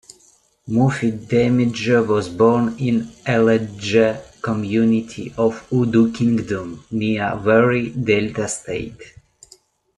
Mofe-Damijo was born in Aladja community of Udu Kingdom, near Warri, Delta State.